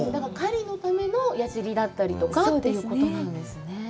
狩りのための矢じりだったりとかということなんですね。